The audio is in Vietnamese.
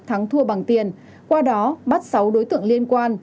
thắng thua bằng tiền qua đó bắt sáu đối tượng liên quan